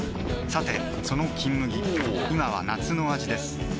さてその「金麦」今は夏の味ですおぉ！